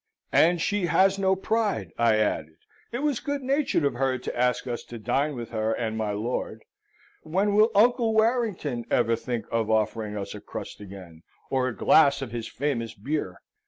"And she has no pride," I added. "It was good natured of her to ask us to dine with her and my lord. When will Uncle Warrington ever think of offering us a crust again, or a glass of his famous beer?"